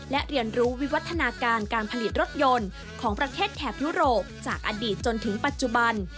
และเรียนรู้วิวัฒนาการการผลิตรถยนต์ของประเทศแถบยุโรปจากอดีตจนถึงปัจจุบัน